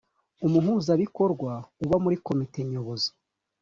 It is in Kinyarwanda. umuhuzabikorwa uba muri komite nyobozi